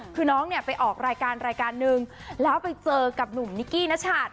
คือน้องเนี่ยไปออกรายการรายการนึงแล้วไปเจอกับหนุ่มนิกกี้นัชัด